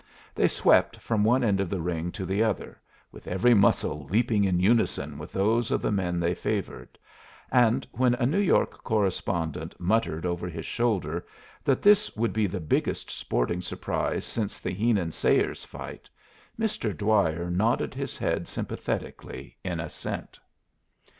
They swept from one end of the ring to the other, with every muscle leaping in unison with those of the man they favored, and when a New York correspondent muttered over his shoulder that this would be the biggest sporting surprise since the Heenan Sayers fight, Mr. Dwyer nodded his head sympathetically in assent.